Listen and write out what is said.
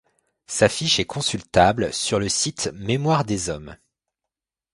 Sa fiche est consultable sur le site Mémoire des Hommes.